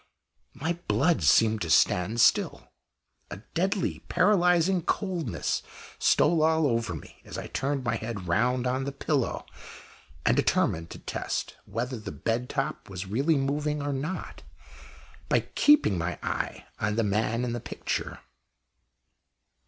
My blood seemed to stand still. A deadly paralysing coldness stole all over me as I turned my head round on the pillow and determined to test whether the bed top was really moving or not, by keeping my eye on the man in the picture.